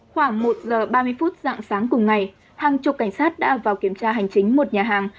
khoảng một giờ ba mươi phút dạng sáng cùng ngày hàng chục cảnh sát đã ậm tra hành chính một nhà hàng